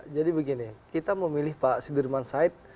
jadi begini kita memilih pak sudirman said